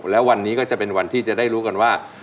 แล้ววันนี้ก็จะเป็นวันที่จะได้รู้กันว่า